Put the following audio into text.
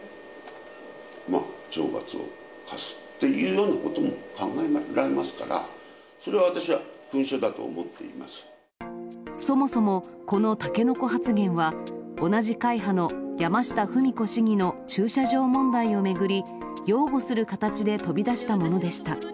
まあ、懲罰を科すっていうようなことも考えられますから、そもそも、このタケノコ発言は、同じ会派の山下富美子市議の駐車場問題を巡り、擁護する形で飛び出したものでした。